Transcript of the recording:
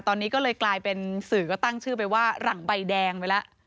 ตอนนี้ก็เลยกลายเป็นสื่อก็ตั้งชื่อไปว่าหลังใบแดงไปแล้ว